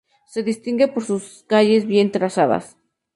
Se distingue por sus calles bien trazadas.